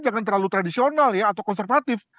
jangan terlalu tradisional ya atau konservatif